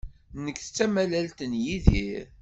Nekk d tamalalt n Yidir.